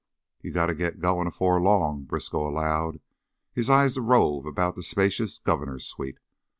"You gotta git goin' afore long." Briskow allowed his eyes to rove about the spacious Governor's suite.